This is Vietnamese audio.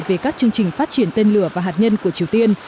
về các chương trình phát triển tên lửa và hạt nhân của triều tiên